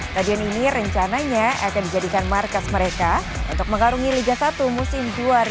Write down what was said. stadion ini rencananya akan dijadikan markas mereka untuk mengarungi liga satu musim dua ribu dua puluh empat dua ribu dua puluh lima